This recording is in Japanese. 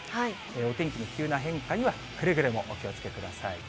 お天気の急な変化にはくれぐれもお気をつけください。